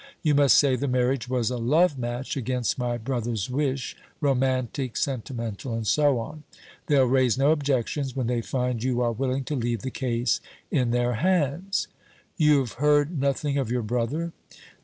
You must say the marriage was a love match against my brother's wish, romantic, sentimental, and so on. They'll raise no objections when they find you are willing to leave the case in their hands." "You have heard nothing of your brother?"